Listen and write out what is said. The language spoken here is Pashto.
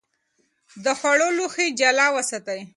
د خوړو لوښي جلا وساتئ.